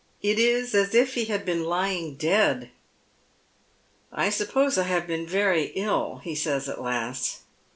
It is as if he Lad been lying dead. " I suppose I have been very ill," he says at last.